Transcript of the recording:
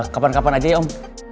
kapan kapan aja ya om